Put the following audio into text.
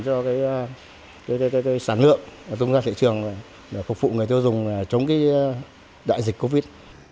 cho sản lượng tôn giác thị trường phục vụ người tiêu dùng chống đại dịch covid